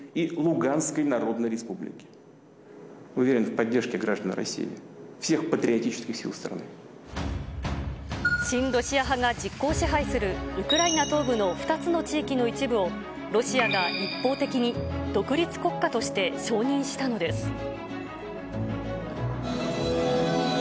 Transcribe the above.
親ロシア派が実効支配するウクライナ東部の２つの地域の一部を、ロシアが一方的に独立国家として承認したのです。